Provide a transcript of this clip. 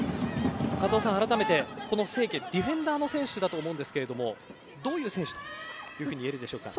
加藤さん、改めて清家はディフェンダーの選手だと思うんですけれどもどういう選手といえるでしょうか。